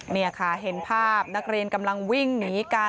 นี่ค่ะเห็นภาพนักเรียนกำลังวิ่งหนีกัน